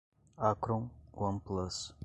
Acron, One Plus